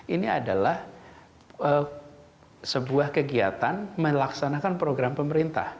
ini adalah sebuah kegiatan melaksanakan program pemerintah